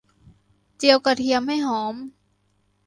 เจียวกระเทียมให้หอม